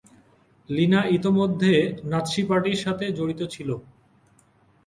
লিনা ইতোমধ্যে নাৎসি পার্টির সাথে জড়িত ছিল।